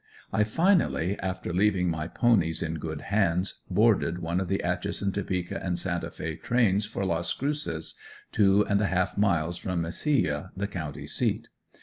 I finally, after leaving my ponies in good hands, boarded one of the Atchison, Topeka and Santa Fe trains for Las Cruces, two and a half miles from Mesilla, the county seat.